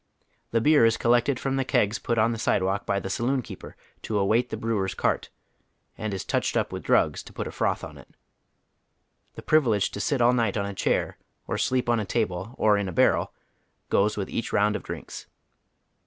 The beer is collected from the kegs put on the sidewalk by the saloon keeper to await the brewer's eart, and is touched up with drugs to put a froth on it. The privilege to sit all night on a chair, or sleep on a table, or in a barrel, goes with each round of drinks.